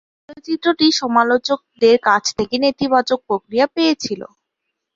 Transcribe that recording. চলচ্চিত্রটি সমালোচকদের কাছ থেকে নেতিবাচক প্রতিক্রিয়া পেয়েছিল।